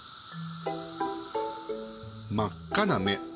真っ赤な目。